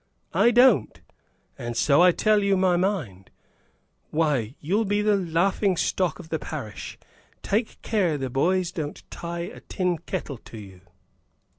I don't; and so I tell you my mind. Why, you'll be the laughing stock of the parish! Take care the boys don't tie a tin kettle to you!"